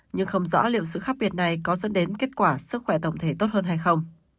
nhưng không rõ liệu sự khác biệt này có dẫn đến kết quả sức khỏe tổng thống